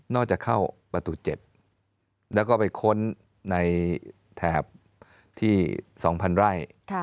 จะเข้าประตู๗แล้วก็ไปค้นในแถบที่๒๐๐ไร่